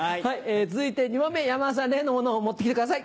続いて２問目山田さん例のものを持って来てください。